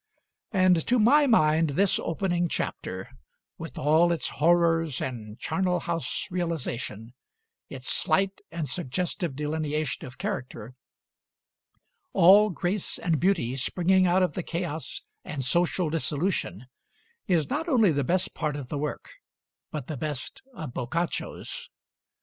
And to my mind this opening chapter, with all its horrors and charnel house realization, its slight and suggestive delineation of character, all grace and beauty springing out of the chaos and social dissolution, is not only the best part of the work, but the best of Boccaccio's.